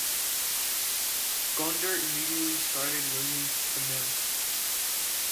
Gundert immediately started learning Tamil.